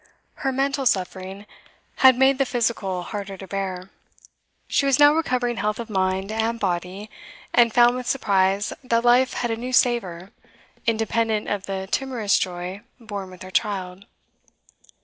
Her mental suffering had made the physical harder to bear; she was now recovering health of mind and body, and found with surprise that life had a new savour, independent of the timorous joy born with her child.